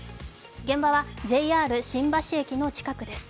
現場はＪＲ新橋駅の近くです。